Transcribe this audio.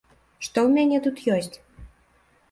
Што ў мяне тут ёсць?